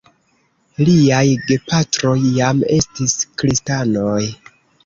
Liaj gepatroj jam estis kristanoj.